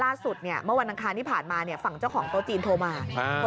ล่าสุดเนี่ยเมื่อวันอังคารที่ผ่านมาเนี่ยฝั่งเจ้าของโต๊ะจีนโทรมา